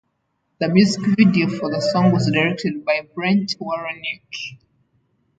The music video for the song was directed by Brent Waroniecki.